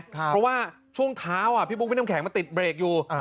เพราะว่าช่วงเท้าพี่บุ๊คพี่น้ำแข็งมันติดเบรกอยู่